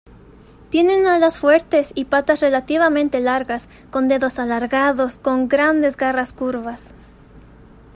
Tienen alas fuertes y patas relativamente largas, con dedos alargados con grandes garras curvas.